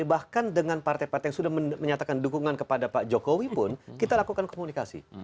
bahkan dengan partai partai yang sudah menyatakan dukungan kepada pak jokowi pun kita lakukan komunikasi